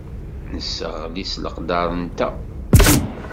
Nesseɣli s leqder-nteɣ.